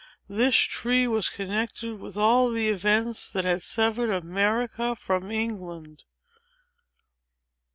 This tree was connected with all the events that had severed America from England.